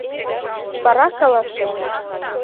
Вара каласен: